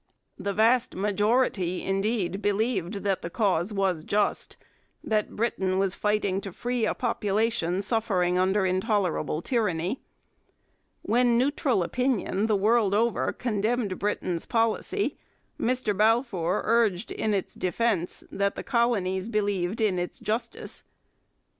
The vast majority, indeed, believed that the cause was just, that Britain was fighting to free a population suffering under intolerable tyranny. When neutral opinion the world over condemned Britain's policy, Mr Balfour urged in its defence that the colonies believed in its justice.